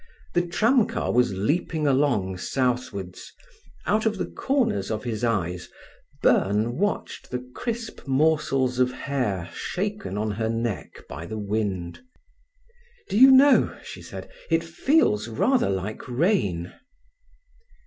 The tramcar was leaping along southwards. Out of the corners of his eyes Byrne watched the crisp morsels of hair shaken on her neck by the wind. "Do you know," she said, "it feels rather like rain."